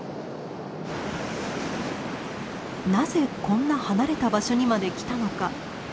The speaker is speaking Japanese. なぜこんな離れた場所にまで来たのか？